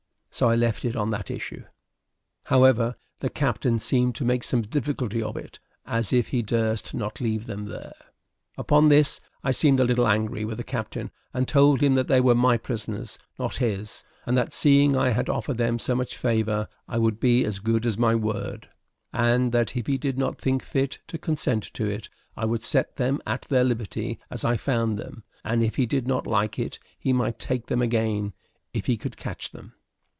So I left it on that issue. However, the captain seemed to make some difficulty of it, as if he durst not leave them there. Upon this I seemed a little angry with the captain, and told him that they were my prisoners, not his; and that seeing I had offered them so much favor, I would be as good as my word; and that if he did not think fit to consent to it I would set them at liberty, as I found them, and if he did not like it he might take them again if he could catch them.